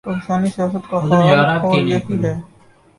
پاکستانی سیاست کا حال اور یہی ہے۔